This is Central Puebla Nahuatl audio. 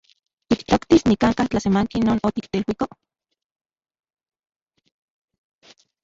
Tiktoktis nikan’ka tlasemanki non otikteluiko.